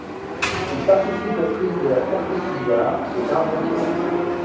Il participe aux prises de la Ferté-sous-Jouarre et d'Armentières.